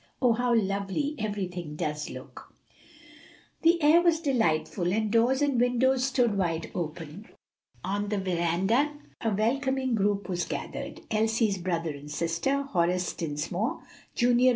Oh, how lovely everything does look!" The air was delightful, and doors and windows stood wide open. On the veranda a welcoming group was gathered. Elsie's brother and sister Horace Dinsmore, Jr.